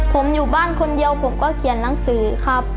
ผมอยู่บ้านคนเดียวผมก็เขียนหนังสือครับ